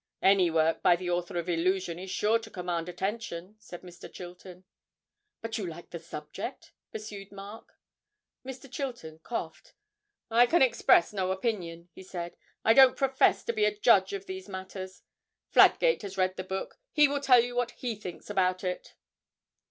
'Any work by the author of "Illusion" is sure to command attention,' said Mr. Chilton. 'But you like the subject?' pursued Mark. Mr. Chilton coughed. 'I can express no opinion,' he said. 'I don't profess to be a judge of these matters. Fladgate has read the book; he will tell you what he thinks about it.'